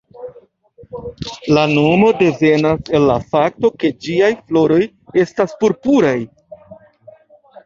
La nomo devenas el la fakto ke ĝiaj floroj estas purpuraj.